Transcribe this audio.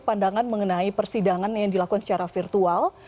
pandangan mengenai persidangan yang dilakukan secara virtual